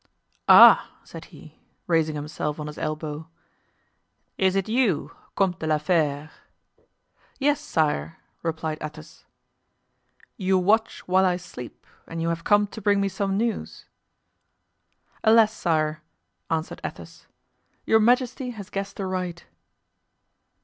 "Ah!" said he, raising himself on his elbow, "is it you, Comte de la Fere?" "Yes, sire," replied Athos. "You watch while I sleep and you have come to bring me some news?" "Alas, sire," answered Athos, "your majesty has guessed aright."